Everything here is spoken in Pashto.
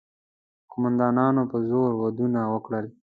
قوماندانانو په زور ودونه وکړل.